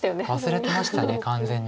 忘れてました完全に。